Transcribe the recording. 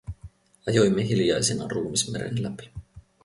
Ajoimme hiljaisina ruumismeren läpi.